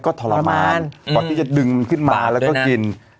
ก็ทรมานก่อนที่จะดึงมันขึ้นมาแล้วก็กิน